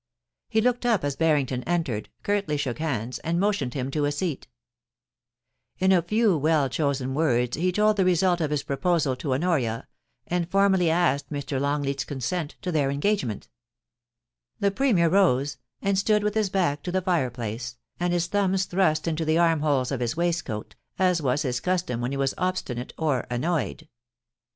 He looked up as Barrington entered, curtly shook hands, and motioned him to a seat In a few well chosen words he told the result of his proposal to Honoria, and formally asked Mr. Longleat's consent to their engagement The Premier rose, and stood with his back to the fireplace, and his thumbs thrust into the armholes of his waistcoat, as was his custom when he was obstinate or annoyed.